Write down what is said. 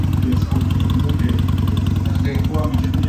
Wanafunzi wengi huja